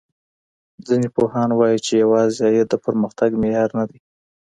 ځينې پوهان وايي چي يوازي عايد د پرمختګ معيار نه دی.